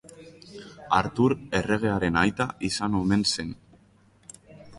Artur erregearen aita izan omen zen.